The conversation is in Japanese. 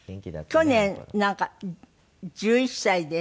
去年なんか１１歳で。